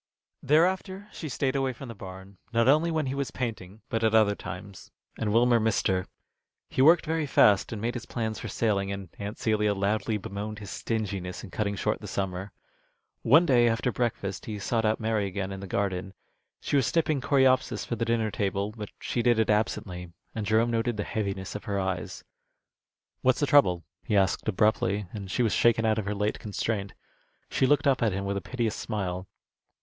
Thereafter she stayed away from the barn, not only when he was painting, but at other times, and Wilmer missed her. He worked very fast, and made his plans for sailing, and Aunt Celia loudly bemoaned his stinginess in cutting short the summer. One day, after breakfast, he sought out Mary again in the garden. She was snipping Coreopsis for the dinner table, but she did it absently, and Jerome noted the heaviness of her eyes. "What's the trouble?" he asked, abruptly, and she was shaken out of her late constraint. She looked up at him with a piteous smile.